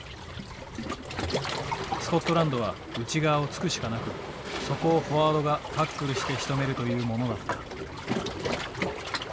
スコットランドは内側をつくしかなくそこをフォワードがタックルしてしとめるというものだった。